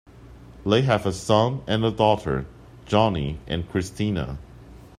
They have a son and a daughter, Johnny and Christina.